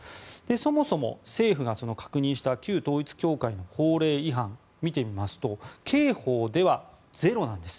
そもそも政府が確認した旧統一教会の法令違反を見てみますと刑法ではゼロなんです。